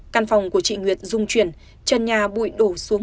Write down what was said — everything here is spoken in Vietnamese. căn phòng của chị nguyệt rung chuyển chân nhà bụi đổ xuống